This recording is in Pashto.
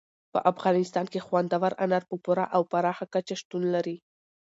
په افغانستان کې خوندور انار په پوره او پراخه کچه شتون لري.